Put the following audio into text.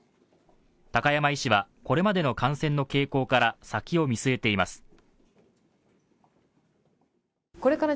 高山医師は、これまでの感染の傾向から先を見据えています。